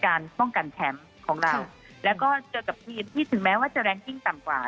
ป้องกันแชมป์ของเราแล้วก็เจอกับทีมที่ถึงแม้ว่าจะแรงกิ้งต่ำกว่า